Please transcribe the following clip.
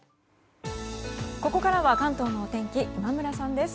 ここからは関東のお天気今村さんです。